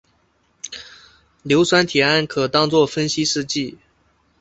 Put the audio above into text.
硫酸铁铵可当作分析试剂。